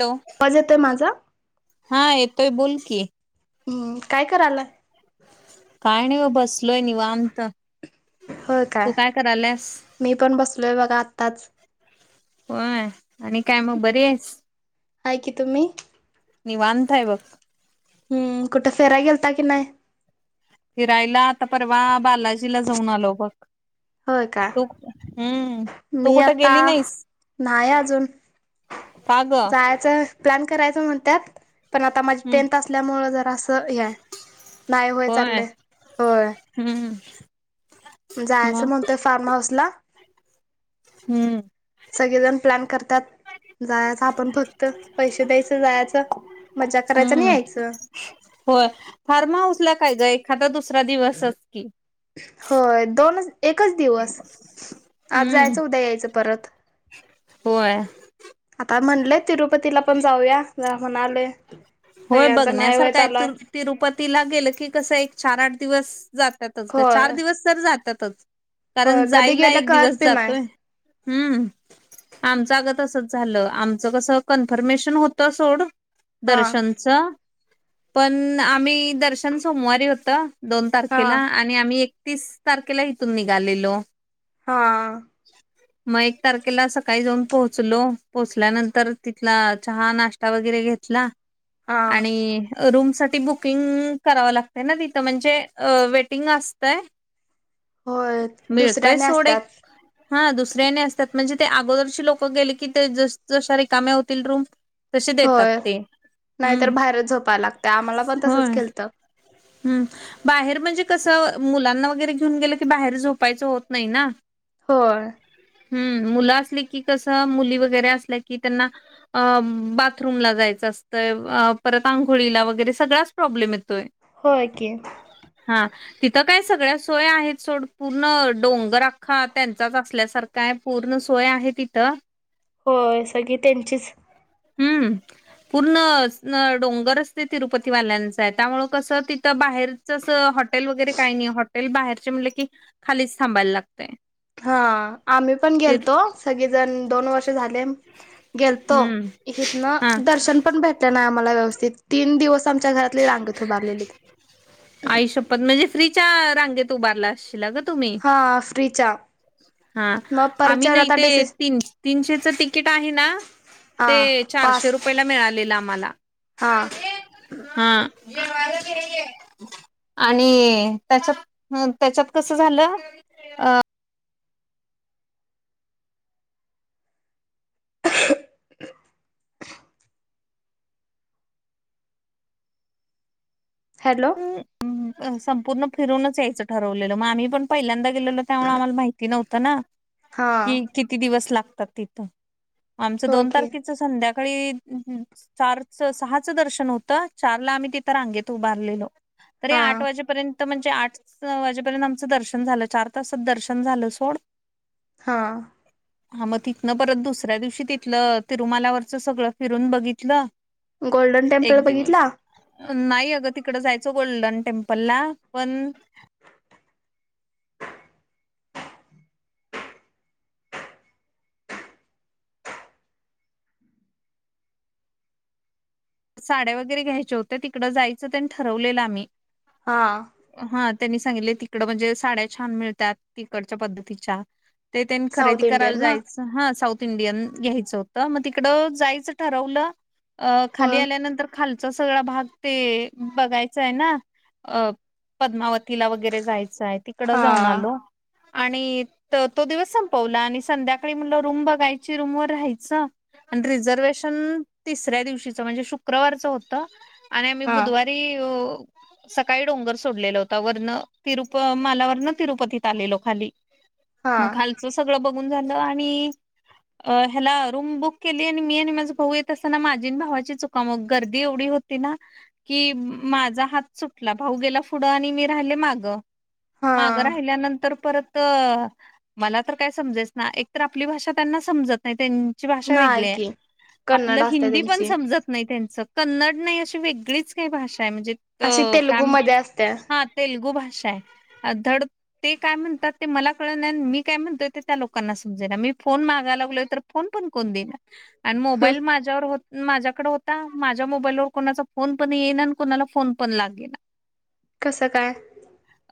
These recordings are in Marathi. हॅलो आवाज येतोय माझा? हा. येतोय बोलकी. हम्म. काय कराला? काही नाही हो बसलोय निवांत. हो काय तू करायलास मी पण बसलोय बघा आत्ताच. होय आणि काय मग बरी आहेस. आहे की तुम्ही? निवांत हाय बघ. हम्म. कुठे फिराय गेलता की नाही? फिरायला आता परवा बालाजीला जाऊन आलो बघ. होय का तू हम्म तू मी कुठं आता गेली नाहीस नाहीय अजून का ग जायच प्लॅन करायच म्हणत्यात. पण आता माझी हम्म टें्थ असल्यामुळे जरा असं हेय नाही होय चालले होय हम्म जायचं मग म्हणतय फार्म हाऊस ला हम्म सगळेजण प्लॅन करतात जायच आपण फक्त पैसे द्यायचं जायचं मज्जा करायच आणि हम्म यायचं होय फार्म हाऊस ला काय ग एखादा दुसरा दिवसच की होय दोनच एकच दिवस आज हम्म जायचं उद्या यायचं परत [unintelligible] होय म्हणले तिरुपतीला पण जाऊया ज म्हणाले होय बघण्यासारखा आहे तू तिरुपतीला गेलं की कसं एक चार आठ दिवस जातातच चार होय दिवस तर जातातच कारण होय कधी जायला गेलं एक कळत दिवस बी नाही जातोय हम्म आमचंग तसंच झालं आमचं कसं कन्फर्मेशन होतं सोड हा दर्शनच पण आम्ही दर्शन सोमवारी होत दोन हा तारखेला आणि आम्ही एकतीस तारखेला इथून निघालेलो हा मग एक तारखेला सकाळी जाऊन पोहोचलो पोहोचल्यानंतर तिथला चहा नाश्ता वगैरे घेतला हा आणि रूम साठी बुकिंग करावं लागतय ना तिथं म्हणजे अ वेटिंग असतय होय मिळतय दुसऱ्याने सोड एक असतात हा दुसऱ्याने असतात म्हणजे ते अगोदरची लोक गेले की ते जशा रिकामे होतील रूम तसे देतात होय ते नाहीतर हम्म बाहेरच झोपायला लागत आम्हाला पण तसच केलंत हम् बाहेर म्हणजे कस मुला ना वगैरे घेऊन गेल की बाहेर झोपायचं होत नाही ना होय हम् मुलं असली की कसं मुली वगैरे असल्या की त्यांना अ बाथरूमला जायचं अस परत आंघोळीला वगैरे सगळ्याच प्रॉब्लेम येतोय होय की हा तिथं काय सगळ्या सोय आहेत सोड पूर्ण डोंगर अख्खा त्यांचाच असल्यासारखा आहे पूर्ण सोय आहे तिथं होय सगळी त्यांचीच हम्म पूर्ण डोंगरच ते तिरुपती वाल्यांच आहे त्यामुळे कसं तिथं बाहेरच हॉटेल वगैरे काही नाही हॉटेल बाहेरचे म्हटलं कि खालीच थांबायला लागत हा आम्ही पण गेलतो सगळेजण दोन वर्ष झाले गेलतो हम्म हितंन हा दर्शन पण भेटले नाही आम्हाला व्यवस्थित तीन दिवस आमच्या घरातली रांगेत उभारलेली आई शपथ म्हणजे फ्रीच्या रांगेत त उ बारला असशीलग हा आफ्रीचा हा आम्ही ना इथे तीन तीनशेच तिकीट आहे ना हा ते पास चारशे रुपययाला मिळालेलं म्हाला हा हा आणि त्याच्यात त्याच्यात कसं झालं अ ह हॅलो अं संपूर्ण फिरूनच यायचं ठरवलेलं मग आम्ही पण पहिल्यांदा गेलेलो त्यामुळे आम्हाला माहिती नव्हतं ना हा कि किती दिवस लागतात तिथं आमच होय दोन की तारखेच संध्याका सकाळी चारचं सहाचं दर्शन होतं चारला आम्ही तिथं रांगेत उभारलेलो तरी हा आठ वाजेपर्यंत म्हणजे आठ वाजेपर्यंत आमचं दर्शन झालं चार तासात दर्शन झालं सोड हा हा मग तिथ ना परत दुसऱ्या दिवशी तिथलं तिरुमालावरचं सगळं फिरून बघितलं गोल्डन टेम्पल एक दिवस बघितला नाही अगं तिकड जायचो गोल्डन टेम्पलला पण साड्या वगैरे घ्यायच्या होत्या तिकडं जायचं त्यांनी ठरवलेलं आम्ही, हा. हा त्यांनी सांगितले तिकड म्हणजे साड्या छान मिळतात तिकडच्या पद्धतीच्या ते त्यां साऊथ खरेदी करायला इंडियन ना जायचं हा साऊथ इंडियन घ्यायचं होतं मग तिकड जायचं ठरवलं, ह खाली आल्यानंतर खाल सगळा भाग ते बघायचा आहे ना, अ.. पद्मावतीला वगैरे जायचं आहे तिकडं हा जाऊन आलो. आणि तो दिवस संपवला आणि संध्याकाळी मुलं रूम बघायची रूमवर राहायचं आणि रिझर्वेशन तिसऱ्या दिवशी- म्हणजे शुक्रवारच होत आणि आम्ही हा बुधवारी सकाळी डोंगर सोडलेला होता, वरण तिरुप-माला वरण तिरुपतीत आलेलो खाली. हा मग खालचं सगळं बघून झालं आणि- अ.. ह्याला रूम बुक केली आणि मी आणि माझ भाऊ येत असताना माझी आणि भावाची ह [unintelligible] मी राहीले माग, हा माग राहील्या नंतर - परत मला तर काय समजायच ना, एक तर आपली भाषा त्यांना समजत नाही भाषा वेगळी नाही हाय, की आपलं कन्नड असते हिंदी पण त्यांची समजत त्यांच कन्नड नाही अशी वेगळीच काही भाषा म्हणजे अशी का तेलुगू मध्ये असते हा तेलगू भाष- धड काय ते म्हणतात ते मला कळना मी काय म्हणतो, त्या लोकांना समजेना- [inaudible] आता माझ्या मोबाईलवर कोणाचा फोन पण येईना आणि कोणाला फोन पण लागेना. कसं काय?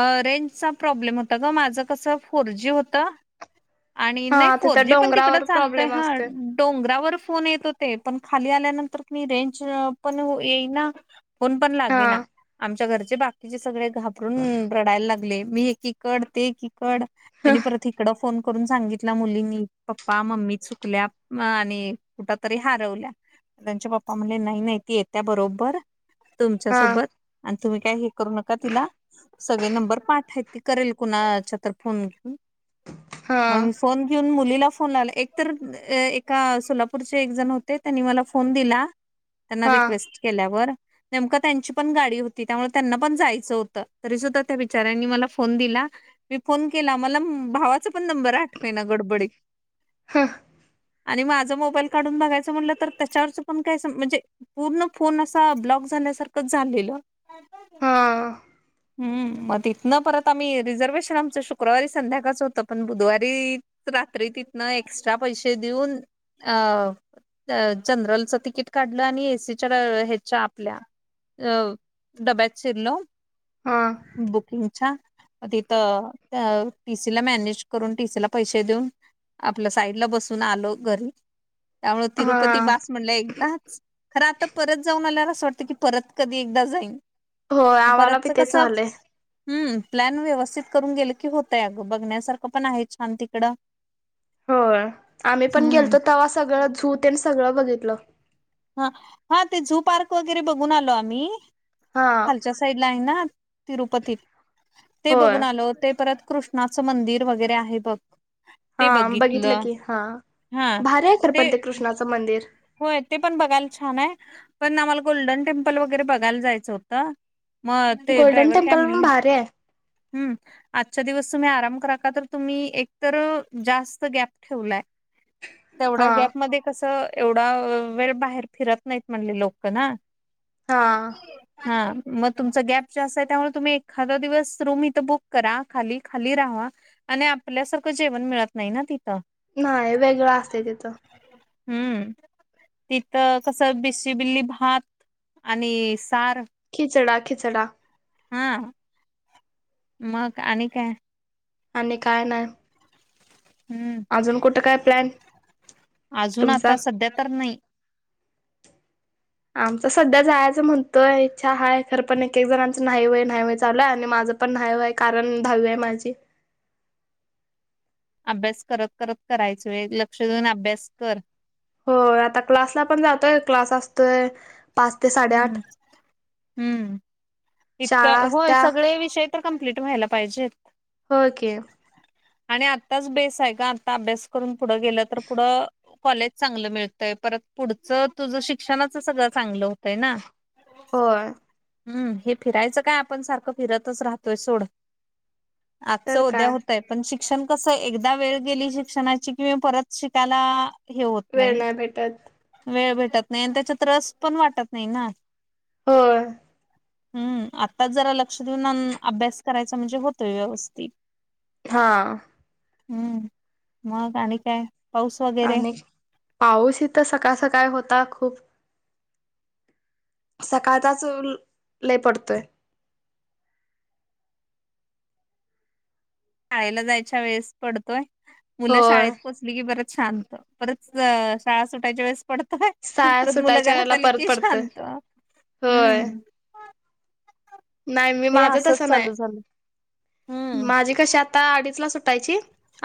अ रेंजचा प्रॉब्लेम होता ग माझं कसं फोर जी होत- आणि हा नाही फोर तिथं जी पण तिकडं डोंगरावर चालतय प्रॉब्लेम हा असते डोंगरावर- फोन येत होते, पण खाली आल्यानंतर रेंज पण येईना फोन पण हा लागेना आमच्या घरचे बाकीचे सगळे घाबरून रडायला लागले. मी एकीकड ते एकीकड त्यांनी परत इकडं फोन करून सांगितला मुलींनी, पप्पा मम्मी चुकल्या आणि कुठ तरी हारवल्या. त्यांच्या पप्पा म्हणले नाही, नाही ती येत्या बरोबर तुमच्या हा सोबत आणि तुम्ही काय हे करू नका तिला सगळे नंबर पाठ हायत त करेल कुणाच्या तर फोन घेऊन हा मग म फोन घेऊन मुली फोन लावला, एक तर एका सोलापूरचे एक जण होते, त्यांनी मला फोन दिला- त्यांना हा रिक्वेस्ट केल्यावर. नेमका त्यांची पण गाडी होती, त्यामुळे त्यांना पण जायचं होतं, तरी सुद्धा त्या बिचऱ्यांनी मला फोन दिला. मी फोन केला मला भावाचा पण नंबर आठवेना गडबडीत हा. आणि माझं मोबाईल काढून बघायचं म्हटलं तर त्याच्यावरचं पण म्हणजे पूर्ण फोन असा ब्लॉक झाल्यासारख झालेलं. हा. हम्. मग तथनं परत आम्ही रिझर्वेशन आमचं शुक्रवारी संध्याकाळच होतं, पण बुधवारी तथ ए्रा प जन [unintelligible] तिकीट काढलं आणि एसीच्या ह्याच्या आपल्या अ डब्यात शिरल हा बुकिंगच्या तिथ टीसीला मॅनेज करून, टीसीला पैसे देऊन आपल्या साईडला बसून आलो घरी. त्यामुळ तिरुपती हा बास म्हणलं एकदाच, खरं आता परत जाऊन आल्यावर अस वाटत, की परत कधी एकदा जाईन हो आम्हाला बी परत तेच कसं व्हालय हम्म प्लॅन व्यवस्थित करून गेलं की होतय, अगं बघण्यासारखं पण आहे छान तिकडं- होय, आम्ही पण हम्म गेलतो तवा्हा सगळं झू तेन सगळं बघितलं. हा हा ते झु पार्क वगैरे बघून आलो आम्ही.. हा खालच्या साईड ला आहे ना तिरुपती ते होय बघून आलो ते परत, कृष्णाचं मंदिर वगैरे आहे बघ हा बघितलं की हा हा भारी आहे खरपण ते कृष्णाचं मंदिर होय ते पण बघायला छान आहे पण आम्हाला गोल्डन टेम्पल वगैरे बघायला जायचं होतं मग ते गोल्डन ड्रायव्हर काय टेम्पल पण म्हणल? भारी आहे हम्म आजच्या दिवस तुम्ही आराम करा का तर तुम्ही एकत जास्त गॅप ठेवलाय तेवढ्या हा गॅपमध्ये कस एवढा वेळ बाहेर फिरत नाहीत म्हणले लोक ना हा हा. मग तुमच गॅप जास्त आहे त्यामुळे तुम्ही एखादा दिवस रूम इथं बुक करा खाली खाली राहा आणि आपल्यासारखं जेवण मिळत नाही ना तिथं नाही वेगळं असते तिथं हम्म तिथं कस बिशी बिल्ली भात आणि सार खिचडा खिचडा हा. मग आणि काय? आणि काय नाही. हम्म अजून कुठं काय प्लॅन अजून तुमचा आता सध्या तर नाही आमच सध्या जायचं म्हणतोय इच्छा हाय खर पण एक एक जणांचं नाही होय नाही होय चाललंय आणि माझ [inaudible] अभ्यास करत करत करायचो एक लक्ष देऊन अभ्यास कर हो आता क्लासला पण जातोय क्लास असतोय पाच ते हम्म साडेआठ हम्म शाळा इतकं होय असत्या सगळे विषय तर कम्प्लीट व्हायला पाहिजेत होय की आणि आताच बेस आहे का आता अभ्यास करून पुढं गेलं तर पुढं कॉलेज चांगलं मिळतय परत पुढच तुझ शिक्षणाच सगळं चांगलं होतय ना होय. हम्म हे फिरायचं काय आपण सारखं फिरतच राहतोय सोड आजच तर उद्या काय होतय पण शिक शिक्षण कस एकदा वेळ गेली शिक्षणाची किवा परत शिकायला हे होत वेळ नाही भेटत वेळ भेटत नाही आणि त्याचा रस पण वाटत नाही ना हो. हम्म आत्ताच जरा लक्ष देऊन अभ्यास करायचा म्हणजे होतोय व्यवस्थित हा. हम्म मग आणि काय? पाऊस वगैरे आणि पाऊस इथं सकाळ सकाळ होता खूप सकाळचाच लय पडतोय शाळेला जायच्या वेळेस पडतोय मुलं होय शाळेत पोचली की पडत परत शाळा सुटायच्या वेळेस पडतोय शाळा परत मुलं सुटायच्या घरात वेळेला आली परत की पडतोय शांत होय हम्म नाही मी ते माझं असंच तसं नाही चालू झालं हम्म माझी कशी आ आता अडीच ला सुटायची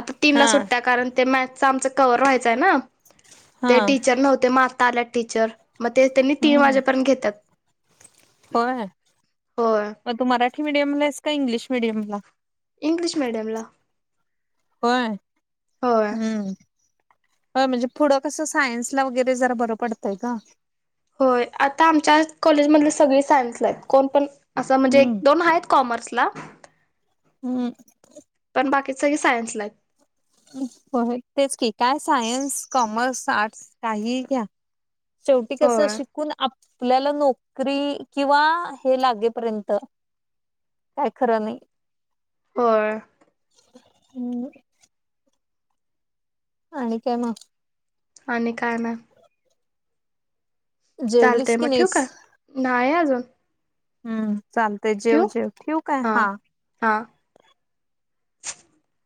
आता तीनला हा सुट्या कारण ते मॅथ्स आमच क्हवर व्हायचंय ना हा ते टीचर नव्हते म आता आल्यात टीचर मग ते त्यांनी तीन हम्म. वाजेपर्यंत घेतात होय होय मग तू मराठी मिडियमला आहेस का, इंग्लिश मिीडियमला. इंग्लिश मीडयमला. होय हम्म. हो म्हणजे पुढं कस सायन्सला वगैरे जरा बरं पडतय का होय आता आमच्या कॉलेजमधले सगळे सायन्स आहेत कोण पण असं म्हणजे एक हम्म. दोन आहेत कॉमर्सला हम्म. पण बाकी सगळे सायन्सलाइत. हो तेच की काय सायन्स कॉमर्स आर्ट्स काहीही घ्या. शेवटी कस होय शिकून आप पल्याला नोकरी किंवा हे लागेपर्यंत काय खरं नई. होय. हम्म. आणि काय म? आणि काय नाय. चालतय जेवलीस म की ठेउ नाहीस का नाय अजून हम्म चालतय जेव ठेवू जेव ठेऊ काय हा. हा [inaudible]